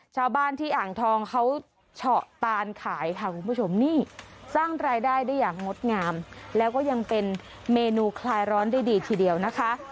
ชาวบ้านที่อ่างทองเขาเฉาะตานขายค่ะคุณผู้ชมนี่สร้างรายได้ได้อย่างงดงามแล้วก็ยังเป็นเมนูคลายร้อนได้ดีทีเดียวนะคะ